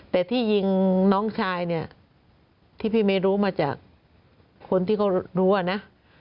แต่ที่ยิงน้องชายเนี่ยที่พี่ไม่รู้มาจากคนที่เขารู้อ่ะนะ